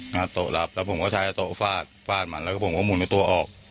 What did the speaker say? หน้าโต๊ะรับแล้วผมก็ใช้โต๊ะฟาดฟาดมันแล้วก็ผมก็หมุนในตัวออก